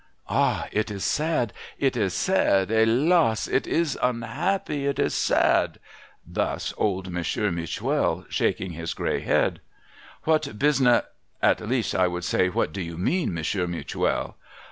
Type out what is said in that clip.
' Ah, it is sad, it is sad ! He'las, it is unhappy, it is sad !' Thus old Monsieur Mutuel, shaking his gray head. ' What busin — at least, I would say, what do you mean. Monsieur Mutuel